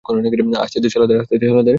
আসতে দে শালাদের।